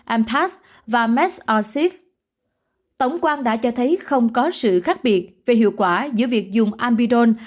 ampax và medsrxiv tổng quan đã cho thấy không có sự khác biệt về hiệu quả giữa việc dùng abidol